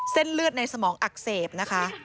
เส้นเลือดในสมองอักเสบนะคะ